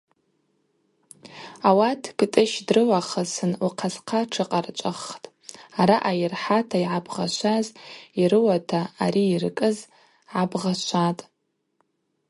Ауат Кӏтӏыщ дрылахысын Ухъа-схъа тшыкъарчӏваххтӏ, Араъа йырхӏата йгӏабгъашваз Йрыуата ари йыркӏыз гӏабгъашватӏ.